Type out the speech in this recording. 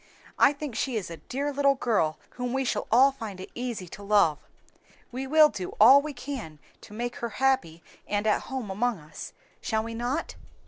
I think she is a dear little girl whom we shall all find it easy to love. We will do all we can to make her happy and at home among us, shall we not?"